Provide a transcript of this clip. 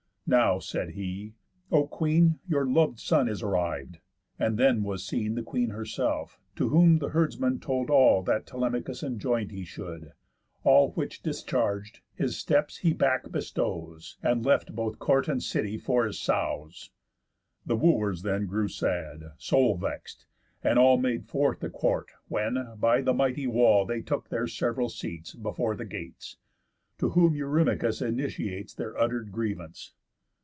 "Now," said he, "O queen, Your lov'd son is arriv'd." And, then was seen The queen herself, to whom the herdsman told All that Telemachus enjoin'd he should; All which discharg'd, his steps he back bestows, And left both court and city for his sows. The Wooers then grew sad; soul vex'd, and all Made forth the court; when, by the mighty wall They took their sev'ral seats, before the gates. To whom Eurymachus initiates. Their utter'd grievance.